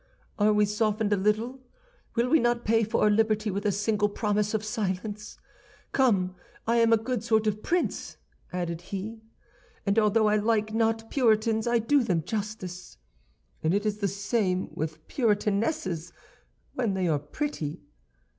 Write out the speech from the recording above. Are we softened a little? Will we not pay for our liberty with a single promise of silence? Come, I am a good sort of a prince,' added he, 'and although I like not Puritans I do them justice; and it is the same with Puritanesses, when they are pretty.